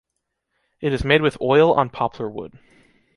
It is made with oil on poplar wood.